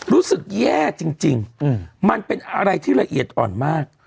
รู้สึกแย่จริงมันเป็นอะไรที่ละเอียดอ่อนมาก